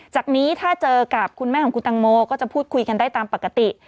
จากนี้ถ้าเจอกับคุณแม่ของคุณตังโมก็จะพูดคุยกันได้ตามปกติ